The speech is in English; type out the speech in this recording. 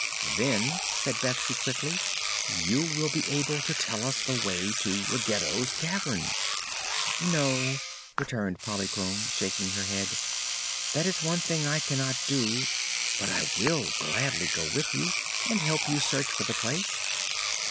"Then," said Betsy, quickly, "you will be able to tell us the way to Ruggedo's cavern." "No," returned Polychrome, shaking her head, "that is one thing I cannot do. But I will gladly go with you and help you search for the place."